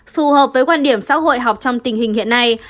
phù hợp với quan điểm xã hội học trong tình hình hiện nay